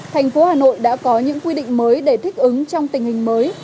thành phố hà nội đã có những quy định mới để thích ứng trong tình hình mới